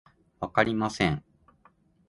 わかりません